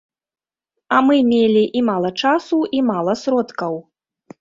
А мы мелі і мала часу, і мала сродкаў.